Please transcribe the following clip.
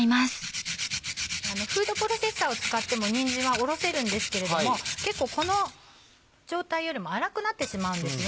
フードプロセッサーを使ってもにんじんはおろせるんですけれども結構この状態よりも粗くなってしまうんですね。